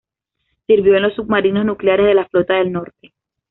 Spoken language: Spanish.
Sirvió en los submarinos nucleares de la flota del Norte.